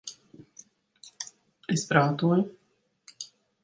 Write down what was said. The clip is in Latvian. Es prātoju...